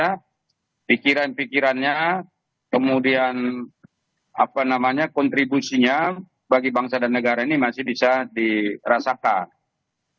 karena pikiran pikirannya kemudian kontribusinya bagi bangsa dan negara ini masih bisa dirasakan